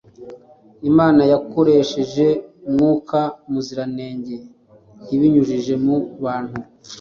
Imana yakoresheje Mwuka Muziranenge ibinyujije mu bantu